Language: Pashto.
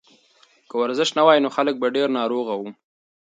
که ورزش نه وای نو خلک به ډېر ناروغه وو.